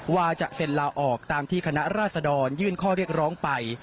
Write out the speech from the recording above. ว่าจะเซ็นลาออกตามที่คณะราษดรยื่นข้อเรียกร้องไป